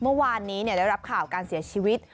เมื่อวานนี้ได้รับข่าวการเสียชีวิต